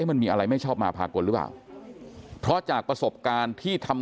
มันมีอะไรไม่ชอบมาพากลหรือเปล่าเพราะจากประสบการณ์ที่ทำ